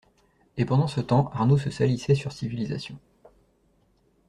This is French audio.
Et pendant ce temps Arnaud se salissait sur Civilization.